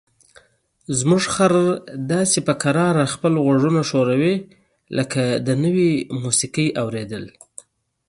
زموږ خر داسې په کراره خپل غوږونه ښوروي لکه د کومې نوې موسیقۍ اوریدل.